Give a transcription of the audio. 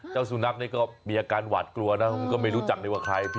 เจ้าสู่นัชก็มีอาการหวัดกลัวนะมันก็ไม่รู้จักหรือว่าใคร